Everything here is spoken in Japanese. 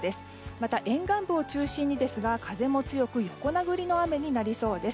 また沿岸部を中心に風も強く横殴りの雨になりそうです。